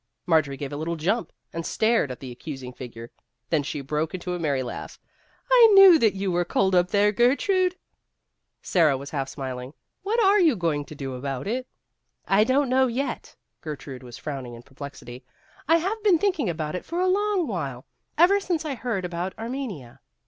Marjorie gave a little jump, and stared at the accusing figure ; then she broke into a merry laugh. " I knew that you were cold up there, Gertrude." Sara was half smiling. " What are you going to do about it ?" l l THE SENIOR PARLOR. One of the Girls 271 "I don't know yet " Gertrude was frowning in perplexity ;" I have been thinking about it for a long while ever since I heard about Armenia.